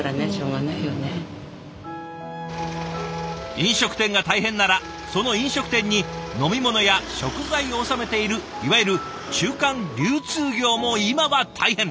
飲食店が大変ならその飲食店に飲み物や食材を納めているいわゆる中間流通業も今は大変。